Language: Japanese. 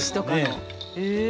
へえ。